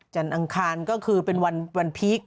จันทร์อังคารก็คือเป็นวันพีค